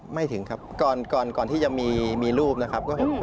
ไม่ถึงครับก่อนที่จะมีรูปนะครับ